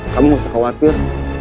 kamu tidak perlu khawatir